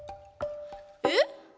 えっ？